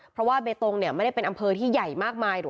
เพราะว่าเบตงเนี่ยไม่ได้เป็นอำเภอที่ใหญ่มากมาย